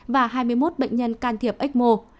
và hai mươi một bệnh nhân can thiệp ecmo